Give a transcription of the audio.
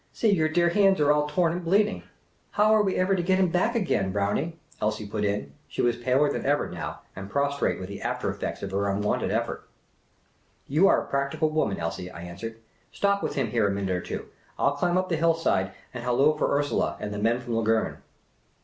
See, your dear hands are all torn and bleeding !"" How are we ever to get him back again, Brownie? " Elsie put in. She was paler than ever now, and prostrate with the after effects of her unwonted effort. You are a practical woman, Elsie," I answered. " Stop with him here a minute or two. I '11 climb up the hillside and halloo for Ursula and the men from Lungern."